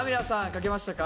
書けましたか？